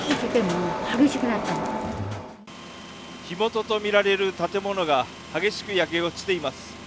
火元とみられる建物が激しく焼け落ちています。